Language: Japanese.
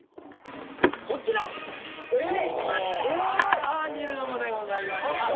マッサージルームでございました！